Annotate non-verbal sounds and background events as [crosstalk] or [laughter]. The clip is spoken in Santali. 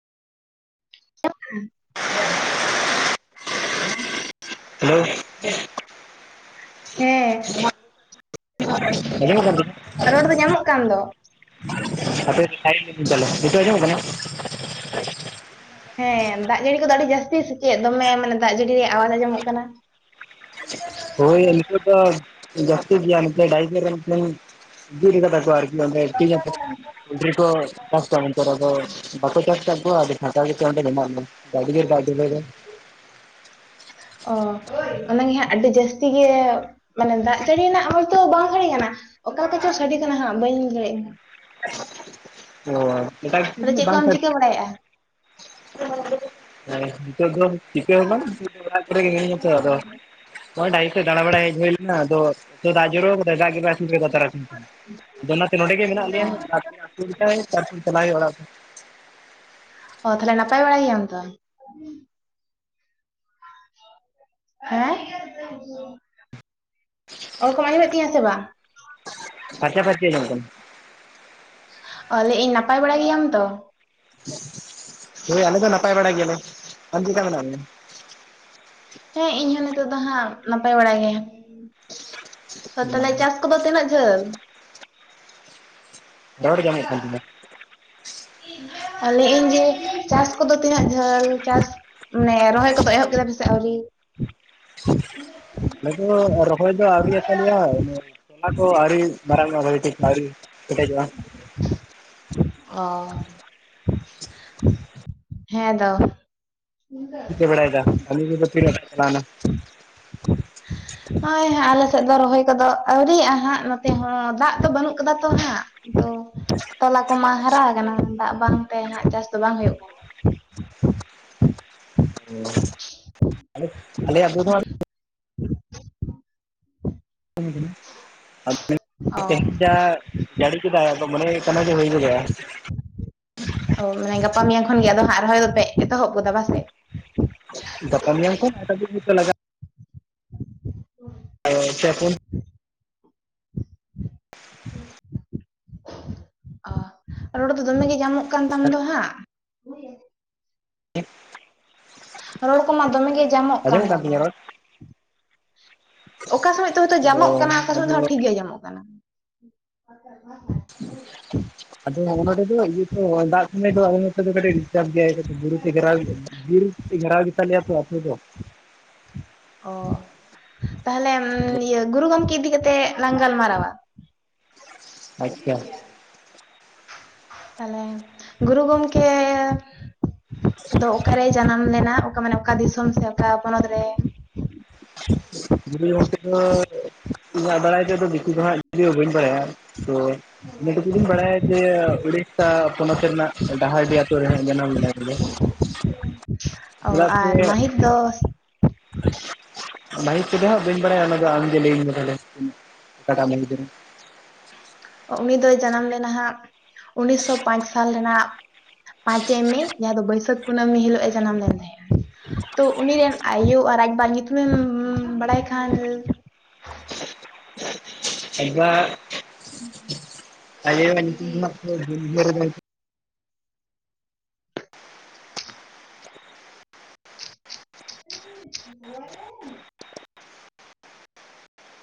[inaudible] [inaudible] ᱦᱮᱸ ᱦᱮᱞᱳ [unintelligible] [unintelligible] ᱨᱚᱲ ᱫᱚ ᱧᱟᱢᱚᱜ ᱠᱟᱱ ᱫᱚ ᱟᱯᱮ ᱥᱟᱭᱤᱴ [unintelligible] ᱱᱤᱛᱚᱜ ᱟᱡᱚᱢᱚᱜ ᱠᱟᱱᱟ ᱦᱮᱸ ᱫᱟᱜ ᱡᱟᱹᱲᱤ ᱠᱚᱫᱚ ᱟᱹᱰᱤ ᱡᱟᱹᱥᱛᱤ ᱥᱮ ᱪᱮᱫ ᱫᱚᱢᱮ ᱢᱟᱱᱮ ᱫᱟᱜ ᱡᱟᱹᱲᱤ ᱨᱮᱭᱟᱜ ᱟᱣᱟᱡ ᱟᱸᱡᱚᱢᱚᱜ ᱠᱟᱱᱟ ᱦᱳᱭ ᱱᱤᱛᱚᱜ ᱫᱚ ᱡᱟᱹᱥᱛᱤ ᱜᱮᱭᱟ [unintelligible] ᱟᱨᱠᱤ ᱡᱮ ᱚᱰᱮ [unintelligible] ᱯᱳᱞᱴᱨᱤ ᱠᱚ ᱪᱟᱥ ᱠᱚᱣᱟ ᱢᱮᱱᱛᱮ ᱟᱫᱚ ᱵᱟᱠᱚ ᱪᱟᱥ ᱟᱠᱟᱫ ᱠᱚᱣᱟ ᱟᱫᱚ ᱥᱟᱱᱛᱟᱲ ᱜᱮᱛ ᱚᱸᱰᱮ ᱢᱮᱱᱟᱜ ᱵᱚᱱ ᱟᱰᱤ ᱡᱚᱨ ᱫᱟᱜ ᱰᱷᱤᱞᱳᱭ ᱫᱟᱭ ᱚ ᱚᱱᱟᱜᱮ ᱦᱟᱸᱜ ᱟᱹᱰᱤ ᱡᱟᱹᱥᱛᱤ ᱜᱮ ᱢᱟᱱᱮ ᱫᱟᱜ ᱡᱟᱹᱲᱤ ᱨᱮᱱᱟᱜ ᱟᱣᱟᱡ ᱫᱚ ᱵᱟᱝ ᱥᱟᱲᱮ ᱠᱟᱱᱟ᱾ ᱚᱠᱟ ᱛᱮ ᱪᱚ ᱥᱟᱰᱮ ᱠᱟᱱᱟ ᱦᱟᱸᱜ ᱵᱟᱹᱧ ᱞᱮᱭ ᱫᱟᱲᱮᱜ ᱠᱟᱱᱟ᱾ ᱚ ᱮᱴᱟᱜ ᱠᱤᱫᱷᱩ ᱛᱟᱦᱚᱞᱮ ᱫᱚ ᱡᱟᱱᱤᱡ ᱪᱮᱫ ᱵᱟᱝ ᱠᱚᱢ ᱥᱟᱰᱮ ᱪᱤᱠᱟᱹ ᱠᱟᱱᱟ᱾ ᱵᱟᱲᱟᱭᱮᱫᱼᱟ ᱦᱮᱸ ᱱᱤᱛᱚᱜ ᱫᱚ ᱪᱤᱠᱟᱹ ᱦᱚᱸ ᱵᱟᱝ᱾ ᱱᱤᱛᱚᱜ ᱫᱚ ᱚᱲᱟᱜ ᱠᱚᱨᱮ ᱜᱮ ᱢᱤᱱᱟᱹᱧᱟ ᱛᱚ ᱟᱫᱚ ᱱᱚᱜ-ᱚᱭ ᱰᱟᱹᱦᱤ ᱥᱮᱫ ᱫᱟᱲᱟ ᱵᱟᱲᱟ ᱦᱮᱡ ᱦᱩᱭ ᱞᱮᱱᱟ ᱟᱫᱚ ᱫᱟᱜ ᱡᱚᱨᱚ ᱠᱟᱫᱟᱭ᱾ ᱫᱟᱜ ᱠᱮᱫᱟᱭ [unintelligible] ᱚ ᱛᱟᱞᱦᱮ ᱱᱟᱯᱟᱭ ᱵᱟᱲᱟ ᱜᱮᱭᱟᱢ ᱛᱚ ᱟᱢ? ᱦᱮᱸ᱾ ᱚᱞ ᱠᱚᱢ ᱟᱸᱡᱚᱢᱮᱫ ᱛᱤᱧᱟᱹ ᱥᱮ ᱵᱟᱝ? ᱯᱷᱟᱨᱪᱟ ᱯᱷᱟᱨᱪᱤ ᱟᱡᱚᱢᱚᱜ ᱠᱟᱱᱟ᱾ ᱚ ᱞᱟᱹᱭ ᱤᱧ ᱱᱟᱯᱟᱭ ᱵᱟᱲᱟ ᱜᱮᱭᱟᱢ ᱛᱚ? ᱦᱳᱭ ᱟᱞᱮ ᱫᱚ ᱱᱟᱯᱟᱭ ᱵᱟᱲᱟ ᱜᱮᱭᱟᱞᱮ᱾ ᱟᱢ ᱪᱤᱜᱠᱟ ᱢᱮᱱᱟᱜ ᱢᱮᱭᱟ? ᱦᱮᱸ ᱤᱧᱦᱚᱸ ᱱᱤᱛᱚᱜ ᱫᱚ ᱦᱟᱸᱜ ᱱᱟᱯᱟᱭ ᱵᱟᱲᱟ ᱜᱮ᱾ ᱛᱚ ᱛᱟᱦᱞᱮ ᱪᱟᱥ ᱠᱚᱫᱚ ᱛᱤᱱᱟᱹᱜ ᱡᱷᱟᱹᱞ? ᱫᱟᱠᱟ ᱠᱟᱹᱴᱤᱡ ᱡᱚᱢ ᱦᱚᱭᱩᱜ ᱠᱟᱱ ᱛᱤᱧᱟ᱾ ᱟ ᱞᱟᱹᱭᱮᱫ ᱤᱧ ᱡᱮ ᱪᱟᱥ ᱠᱚᱫᱚ ᱛᱤᱱᱟᱹᱜ ᱡᱷᱟᱹᱞ ᱪᱟᱥ ᱢᱟᱱᱮ ᱨᱚᱦᱚᱭ ᱠᱚᱫᱚ ᱮᱦᱚᱵ ᱠᱮᱫᱟ ᱯᱮᱥᱮ ᱟᱹᱣᱨᱤ? ᱟᱸᱡᱚᱢᱚᱜ ᱠᱟᱱ ᱟᱞᱮ ᱫᱚ ᱨᱚᱦᱚᱭ ᱫᱚ ᱟᱣᱨᱤᱭᱟ ᱛᱟᱞᱭᱟ ᱤᱱᱟ ᱛᱚᱞᱟ ᱠᱚ ᱟᱹᱣᱨᱤ ᱢᱟᱨᱟᱝᱜᱟ ᱵᱷᱟᱜᱤ ᱴᱷᱤᱠ ᱟᱹᱣᱨᱤ ᱠᱮᱴᱮᱡᱟ-ᱟ᱾ ᱚ ᱦᱮᱸ ᱫᱚ᱾ ᱪᱤᱠᱟᱹ ᱵᱮᱲᱟᱭ ᱫᱟ [unintelligible] ᱦᱳᱭᱚᱭ ᱟᱞᱮ ᱥᱮᱫ ᱫᱚ ᱨᱚᱦᱚᱭ ᱠᱚᱫᱚ ᱟᱹᱣᱨᱤᱭᱟᱜᱼᱟ ᱦᱟᱸᱜ᱾ ᱱᱚᱛᱮ ᱦᱚᱸ ᱫᱟᱜ ᱫᱚ ᱵᱟᱹᱱᱩᱜ ᱠᱟᱫᱟ ᱛᱚ ᱦᱟᱸᱜ᱾ ᱫᱚ ᱛᱚᱞᱟ ᱠᱚᱢᱟ ᱦᱟᱨᱟ ᱟᱠᱟᱱᱟ᱾ ᱫᱟᱜ ᱵᱟᱝ ᱛᱮ ᱦᱟᱸᱜ ᱪᱟᱥ ᱫᱚ ᱵᱟᱝ ᱦᱩᱭᱩᱜ ᱠᱟᱱᱟ᱾ ᱟᱞᱮ ᱟᱵᱚ ᱫᱚ ᱱᱚᱣᱟ [inaudible] ᱚ [unintelligible] ᱡᱟᱲᱤ ᱠᱮᱫᱟᱭ ᱟᱫᱚ ᱢᱚᱱᱮ ᱦᱩᱭᱩᱜ ᱠᱟᱱᱟ ᱡᱮ ᱦᱩᱭ ᱜᱚᱫᱚ-ᱟ᱾ ᱚ ᱢᱟᱱᱮ ᱜᱟᱯᱟ ᱢᱮᱭᱟᱝ ᱠᱷᱚᱱᱜ ᱜᱮ ᱟᱫᱚ ᱦᱟᱸᱜ ᱨᱚᱦᱚᱭ ᱫᱚ ᱯᱮ ᱮᱛᱚᱦᱚᱵ ᱜᱚᱫᱟ ᱵᱟᱥᱮ᱾ ᱜᱟᱯᱟ ᱢᱮᱭᱟᱝ ᱠᱷᱚᱱ [unintelligible] ᱞᱟᱜᱟᱜ [inaudible] [unintelligible] [inaudible] ᱚ ᱨᱚᱲ ᱫᱚ ᱫᱚᱢᱮ ᱜᱮ ᱡᱟᱢᱚᱜ ᱠᱟᱱ ᱛᱟᱢ ᱫᱚ ᱦᱟᱸᱜ᱾ [inaudible] ᱨᱚᱲ ᱠᱚᱢᱟ ᱫᱚᱢᱮ ᱜᱮ ᱡᱟᱢᱚᱜ ᱠᱟᱱ ᱟᱸᱡᱚᱢᱚᱜ ᱛᱟᱢᱟ᱾ ᱛᱤᱧᱟᱹ ᱨᱚᱲ? ᱚᱠᱟ ᱥᱚᱢᱚᱭ ᱛᱚ ᱦᱳᱭᱳ ᱛᱚ ᱡᱟᱢᱚᱜ ᱚ ᱠᱟᱱᱟ, ᱚᱠᱟ ᱥᱚᱢᱚᱭ ᱫᱚ ᱟᱫᱚ ᱴᱷᱤᱠ ᱜᱮ ᱟᱢᱚᱜ ᱠᱟᱱᱟ᱾ ᱟᱫᱚ ᱦᱚᱸᱜ-ᱚ ᱱᱚᱸᱰᱮ ᱫᱚ ᱤᱭᱟᱹ ᱛᱚ ᱚᱸᱭ ᱫᱟᱜ ᱥᱚᱢᱚᱭ ᱫᱚ ᱟᱞᱮ ᱱᱚᱛᱮ ᱫᱚ ᱠᱟᱴᱤᱡ ᱰᱤᱥᱴᱟᱵ ᱵᱮᱭᱥᱭ᱾ ᱵᱩᱨᱩ ᱛᱮ ᱜᱷᱮᱨᱟᱣ ᱜᱮᱭᱟ᱾ ᱵᱤᱨ ᱛᱮ ᱜᱷᱮᱨᱟᱣ ᱜᱮᱛᱟᱞᱮᱭᱟ ᱛᱚ ᱟᱛᱩ ᱫᱚ᱾ ᱚ ᱛᱟᱦᱚᱞᱮ ᱤᱭᱟᱹ ᱜᱩᱨᱩ ᱜᱚᱢᱠᱮ ᱤᱫᱤ ᱠᱟᱛᱮ ᱞᱟᱝ ᱜᱟᱞᱢᱟᱨᱟᱣᱟ᱾ ᱟᱪᱪᱷᱟ᱾ ᱛᱟᱦᱚᱞᱮ ᱜᱩᱨᱩ ᱜᱚᱢᱠᱮ ᱫᱚ ᱚᱠᱟᱨᱮᱭ ᱡᱟᱱᱟᱢ ᱞᱮᱱᱟ? ᱚᱠᱟ ᱢᱟᱱᱮ ᱚᱠᱟ ᱫᱤᱥᱚᱢ ᱥᱮ ᱚᱠᱟ ᱯᱚᱱᱚᱛ ᱨᱮ? [unintelligible] ᱫᱚ ᱤᱧᱟᱹᱜ ᱵᱟᱲᱟᱭ ᱛᱮᱫᱚ ᱵᱮᱥᱤ ᱫᱚᱦᱟᱜ ᱡᱩᱫᱤᱣ ᱵᱟᱹᱧ ᱵᱟᱲᱟᱭᱟ ᱛᱚ ᱤᱱᱟ ᱴᱩᱠᱩᱜᱤᱧ ᱵᱟᱲᱟᱭᱟ ᱡᱮ ᱩᱲᱤᱥᱥᱟ ᱯᱚᱱᱚᱛ ᱨᱮᱱᱟᱜ ᱰᱟᱦᱟᱨᱰᱤ ᱟᱹᱛᱩᱳ ᱨᱮ ᱦᱟᱸᱜ ᱡᱟᱱᱟᱢ ᱞᱮᱱᱲᱩ ᱵᱚᱞᱮ᱾ ᱚ ᱪᱮᱫᱟ ᱥᱮ ᱟᱨ ᱢᱟᱹᱦᱤᱛ ᱟᱞᱮ ᱫᱚ [inaudible] ᱢᱟᱹᱦᱤᱛ ᱠᱚᱫᱚ ᱦᱟᱸᱜ ᱵᱟᱹᱧ ᱵᱟᱲᱟᱭᱟ ᱚᱱᱟ ᱫᱚ ᱟᱢᱜᱮ ᱞᱟᱹᱭᱟᱹᱧ ᱢᱮ ᱛᱟᱦᱚᱞᱮ ᱚᱠᱟᱴᱟᱜ ᱢᱟᱹᱦᱤᱛ ᱨᱮ? ᱚ ᱩᱱᱤ ᱫᱚᱭ ᱡᱟᱱᱟᱢ ᱞᱮᱱᱟ ᱦᱟᱸᱜ ᱩᱱᱤᱥᱥᱚ ᱯᱟᱸᱪ ᱥᱟᱞ ᱨᱮᱱᱟᱜ ᱯᱟᱸᱪᱮᱭ ᱢᱮ ᱡᱟᱦᱟᱸ ᱫᱚ ᱵᱟᱹᱭᱥᱟᱹᱠᱷ ᱠᱩᱱᱟᱹᱢᱤ ᱦᱤᱞᱳᱜ ᱮ ᱡᱟᱱᱟᱢ ᱞᱮᱱ ᱛᱟᱦᱮᱸ-ᱟ᱾ ᱛᱚ ᱩᱱᱤ ᱨᱮᱱ ᱟᱭᱳ ᱟᱨ ᱟᱡᱵᱟ-ᱟ ᱧᱩᱛᱩᱢᱮᱢ ᱵᱟᱲᱟᱭ ᱠᱷᱟᱱ᱾ ᱟᱡᱵᱟ-ᱟ ᱟᱡ ᱟᱭᱳ ᱧᱩᱛᱩᱢ ᱫᱚ ᱦᱟᱸᱜ ᱛᱚ ᱵᱟᱹᱧ ᱩᱭᱦᱟᱨ ᱫᱟ ᱾ [unintelligible]